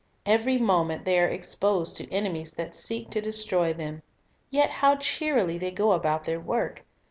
Every moment they are exposed to enemies that seek to destroy them. Yet how cheerily they go about their work